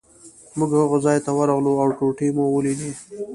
موږ هغه ځای ته ورغلو او ټوټې مو ولیدې.